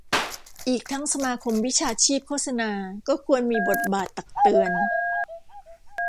อีกทั้งสมาคมวิชาชีพโฆษณาก็ควรมีบทบาทตักเตือน